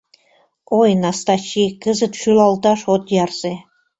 Ой, Настачи, кызыт шӱлалташ от ярсе.